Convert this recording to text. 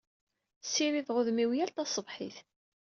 Ssirideɣ udem-inu yal taṣebḥit.